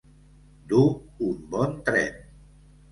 Dur un bon tren.